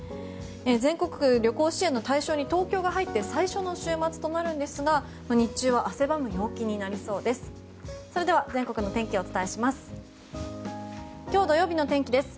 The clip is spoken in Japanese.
全国旅行支援の対象に東京が入って最初の週末となるんですが日中は汗ばむ陽気になりそうです。